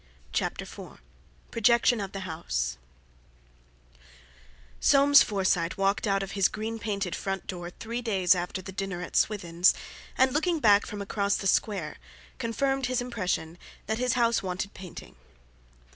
CHAPTER IV PROJECTION OF THE HOUSE Soames Forsyte walked out of his green painted front door three days after the dinner at Swithin's, and looking back from across the Square, confirmed his impression that the house wanted painting.